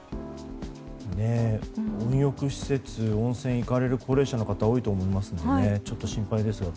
入浴施設温泉に行かれる高齢者の方は多いと思いますがちょっと心配ですね。